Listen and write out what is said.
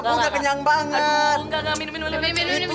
gue udah kenyang banget